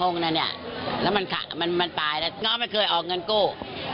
ง้อไม่เคยออกเงินกู้